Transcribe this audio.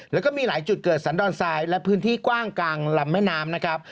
แล้วก็มีหลายจุดเกิดสันดอนทรายและพื้นที่กว้างกลางลำแม่น้ำนะครับ